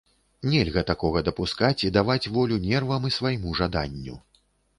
Нельга такога дапускаць і даваць волю нервам і свайму жаданню.